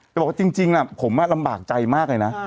บอกว่าจริงผมลำบากใจมากเลยนะ